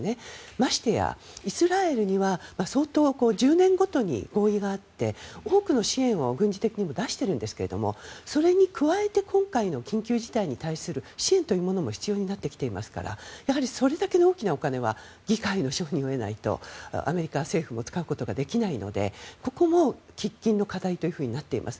ましてやイスラエルには相当、１０年ごとに合意があって多くの支援を軍事的にも出しているんですがそれに加えて今回の緊急事態に対する支援も必要になってきていますからやはりそれだけの大きなお金は議会の承認を得ないとアメリカ政府も使うことができないのでここも喫緊の課題というふうになっています。